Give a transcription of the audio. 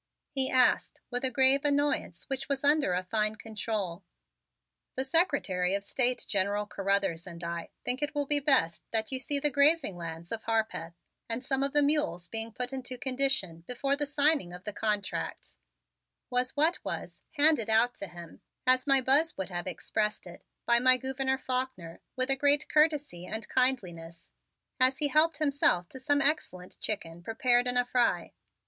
he asked with a grave annoyance which was under a fine control. "The Secretary of State, General Carruthers, and I think it will be best that you see the grazing lands of Harpeth and some of the mules being put into condition before the signing of the contracts," was what was "handed out to him," as my Buzz would have expressed it, by my Gouverneur Faulkner with a great courtesy and kindliness as he helped himself to some excellent chicken prepared in a fry.